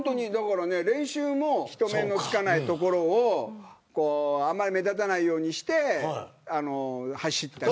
練習も人目のつかない所をあんまり目立たないようにして走ったり。